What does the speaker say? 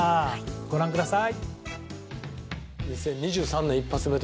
ご覧ください。